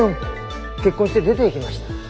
結婚して出ていきました。